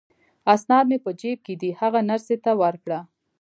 اسناد مې په جیب کې دي، هغه نرسې ته ورکړه.